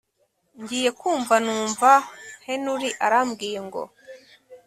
ngiye kumva numva Henry arambwiye ngo